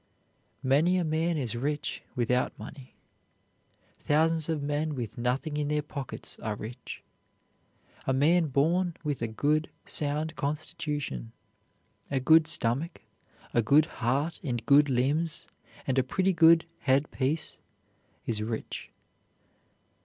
Many a man is rich without money. Thousands of men with nothing in their pockets are rich. A man born with a good, sound constitution, a good stomach, a good heart and good limbs, and a pretty good head piece is rich.